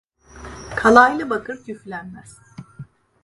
Kalaylı bakır küflenmez.